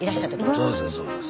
そうそうそうです。